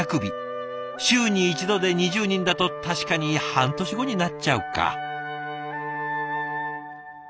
週に一度で２０人だと確かに半年後になっちゃうか。